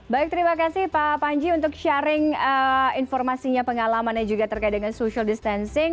baik terima kasih pak panji untuk sharing informasinya pengalamannya juga terkait dengan social distancing